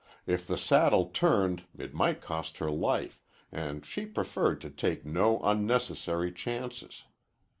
If the saddle turned it might cost her life, and she preferred to take no unnecessary chances.